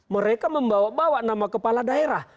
mereka membawa bawa nama kepala daerah